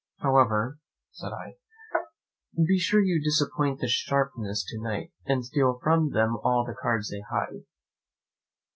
"However," said I, "be sure you disappoint the sharpers to night, and steal from them all the cards they hide."